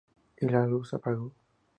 Y la luz se apagó.